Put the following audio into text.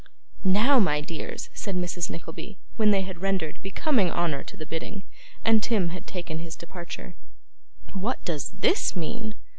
'Now, my dears,' said Mrs. Nickleby, when they had rendered becoming honour to the bidding, and Tim had taken his departure, 'what does THIS mean?